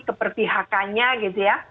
ke perpihakannya gitu ya